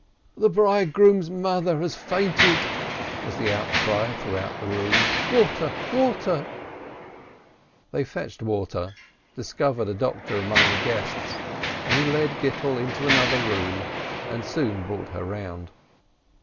"The bridegroom's mother has fainted !" was the out cry through the whole room. "Water, water !" They fetched water, discovered a doctor among the guests, and he led Gittel into another room, and soon brought her round.